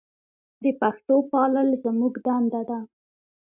د پښتو پالل زموږ دنده ده.